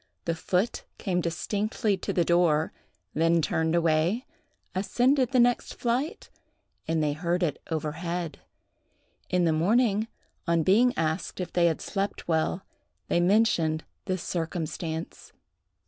The foot came distinctly to the door, then turned away, ascended the next flight, and they heard it overhead. In the morning, on being asked if they had slept well, they mentioned this circumstance.